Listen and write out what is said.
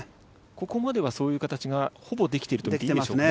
ここまではそういう形が、ほぼ出来ていると言っていいでしょうか。